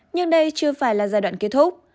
nhưng đây chưa phải là giai đoạn kết thúc